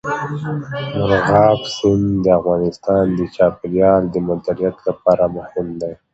مورغاب سیند د افغانستان د چاپیریال د مدیریت لپاره مهم دی.